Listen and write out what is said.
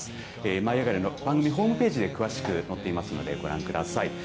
舞いあがれ！のホームページで詳しく載っていますので、ご覧ください。